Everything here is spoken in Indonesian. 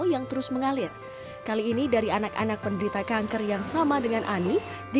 yang terus mengalir kali ini dari anak anak penderita kanker yang sama dengan ani di